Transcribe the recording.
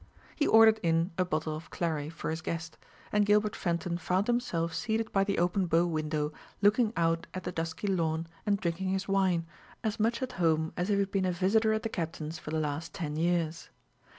He ordered in a bottle of claret for his guest, and Gilbert Fenton found himself seated by the open bow window looking out at the dusky lawn and drinking his wine, as much at home as if he had been a visitor at the Captain's for the last ten years.